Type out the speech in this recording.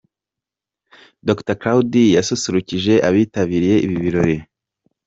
Dr Claude yasusurukije abitabiriye ibi birori.